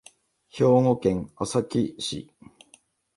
兵庫県朝来市